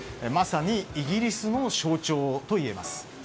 まさにイギリスの象徴といえます。